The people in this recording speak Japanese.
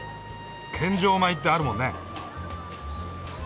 「献上米」ってあるもんね。